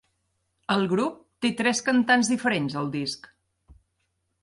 El grup té tres cantants diferents al disc.